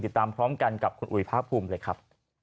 ติดตามพร้อมกันกับคุณอุ๋ยภาคภูมิเลยครับ